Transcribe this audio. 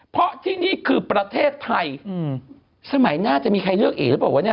เพราะที่นี่คือประเทศไทยอืมสมัยหน้าจะมีใครเลือกเอกหรือเปล่าวะเนี่ย